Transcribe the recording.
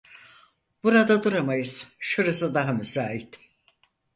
Burada duramayız, şurası daha müsait.